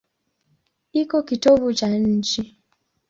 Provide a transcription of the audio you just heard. Iko kitovu cha nchi.